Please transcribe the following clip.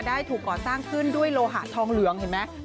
ได้ถูกก่อสร้างขึ้นด้วยโลหะทองเหลืองเห็นไหม